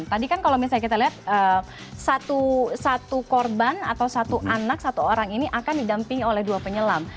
tadi kan kalau misalnya kita lihat satu korban atau satu anak satu orang ini akan didampingi oleh dua penyelam